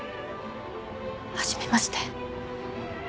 はじめまして。